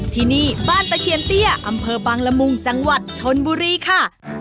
ที่นี่บ้านตะเคียนเตี้ยอำเภอบางละมุงจังหวัดชนบุรีค่ะ